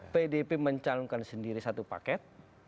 pdip mencalonkan sendiri satu paket